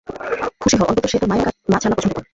খুশি হ অন্তত সে তোর মায়ের মাছ রান্না পছন্দ করে।